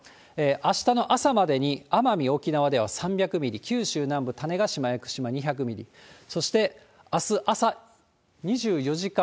あしたの朝までに奄美・沖縄では３００ミリ、九州南部、２００ミリ、種子島屋久島２００ミリ、そして、あす朝、２４時間